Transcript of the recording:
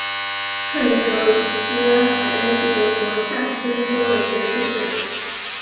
克尼格斯海恩是德国萨克森州的一个市镇。